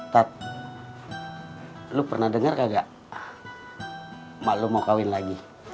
tat lu pernah denger kagak emak lu mau kawin lagi